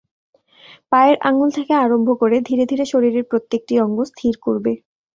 পায়ের আঙুল থেকে আরম্ভ করে ধীরে ধীরে শরীরের প্রত্যেকটি অঙ্গ স্থির করবে।